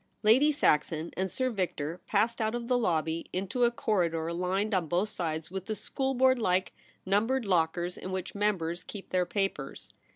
Lady Saxon and Sir Victor passed out of the lobby into a corridor lined on both sides with the schoolboard like numbered lockers in which members keep their papers.